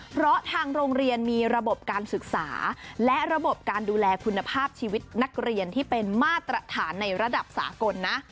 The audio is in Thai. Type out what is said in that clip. เพราะทางโรงเรียนมีระบบการศึกษาและระบบการดูแลคุณภาพชีวิตนักเรียนที่เป็นมาตรฐานในระดับสากลนะ